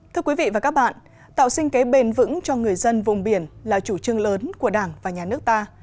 thưa quý vị và các bạn tạo sinh kế bền vững cho người dân vùng biển là chủ trương lớn của đảng và nhà nước ta